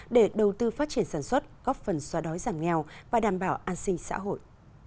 để đầu tư phát triển sản xuất góp phần xóa đói giảm nghèo và đảm bảo an sinh xã hội